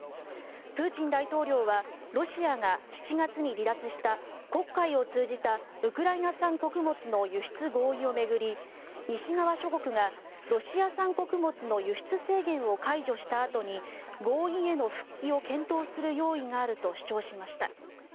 プーチン大統領はロシアが７月に離脱した黒海を通じたウクライナ産穀物の輸出合意を巡り西側諸国がロシア産穀物の輸出制限を解除したあとに合意への復帰を検討する用意があると主張しました。